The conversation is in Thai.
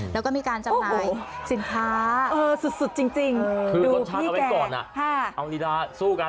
แล้วก็มีการจำลายสินค้าเออสุดจริงดูพี่แก่คือรสชาติเอาไว้ก่อนน่ะเอาลีลาสู้กัน